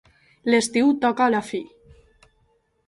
L'estiu toca a la fi.